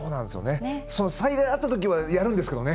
災害あったときはやるんですけど。